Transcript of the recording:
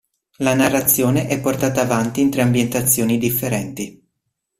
La narrazione è portata avanti in tre ambientazioni differenti.